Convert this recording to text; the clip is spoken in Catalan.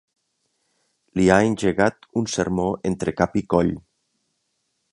Li ha engegat un sermó entre cap i coll.